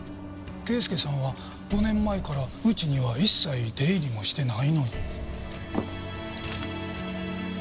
圭祐さんは５年前からうちには一切出入りもしてないのに。